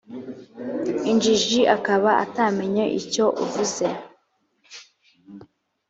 injiji akaba atamenye icyo uvuze